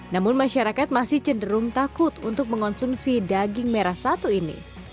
namun masyarakat masih cenderung takut untuk mengonsumsi daging merah satu ini